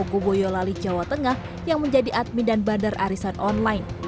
suku boyolali jawa tengah yang menjadi admin dan bandar arisan online